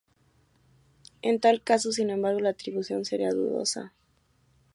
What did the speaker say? En tal caso, sin embargo, la atribución sería dudosa.